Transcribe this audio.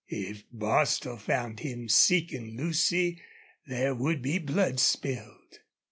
If Bostil found him seeking Lucy there would be blood spilled.